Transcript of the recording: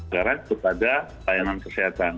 garansi kepada pelayanan kesehatan